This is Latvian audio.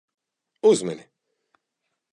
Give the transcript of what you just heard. Uzmini.